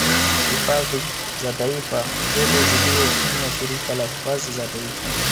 Hifadhi za taifa zote zilizo chini ya shirika la hifadhi za taifa